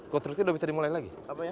konstruksi sudah bisa dimulai lagi